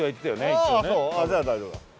じゃあ大丈夫だ。